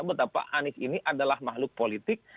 betapa anies ini adalah makhluk politik